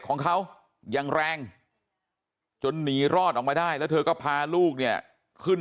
ของเขาอย่างแรงจนหนีรอดออกมาได้แล้วเธอก็พาลูกเนี่ยขึ้น